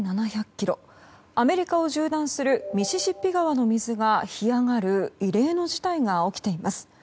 アメリカを縦断するミシシッピ川の水が干上がる異例の事態が起きています。